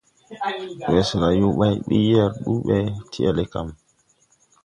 Wɔsɛla yo ɓuy yɛr ndu ɓɛ ti ELECAM.